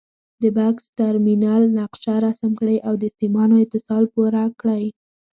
د بکس ټرمینل نقشه رسم کړئ او د سیمانو اتصال پوره کړئ.